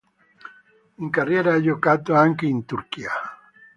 In carriera ha giocato anche in Turchia.